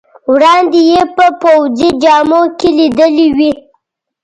وړاندې یې په پوځي جامو کې لیدلی وې.